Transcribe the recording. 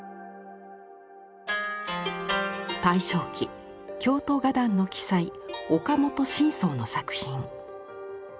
大正期京都画壇の鬼才岡本神草の作品。